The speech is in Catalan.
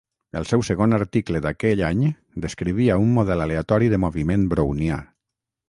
El seu segon article d'aquell any descrivia un model aleatori de moviment brownià.